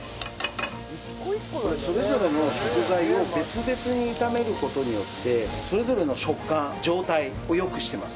それぞれの食材を別々に炒める事によってそれぞれの食感状態をよくしてます。